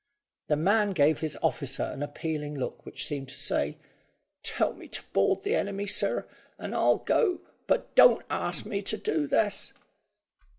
The man gave his officer an appealing look which seemed to say, "Tell me to board the enemy, sir, and I'll go, but don't ask me to do this."